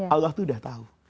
allah itu sudah tahu